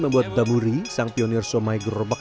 membuat damuri sang pionir somai gerobak